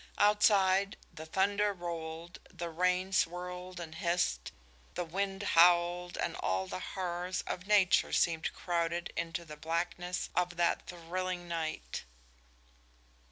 Outside the thunder rolled, the rain swirled and hissed, the wind howled and all the horrors of nature seemed crowded into the blackness of that thrilling night.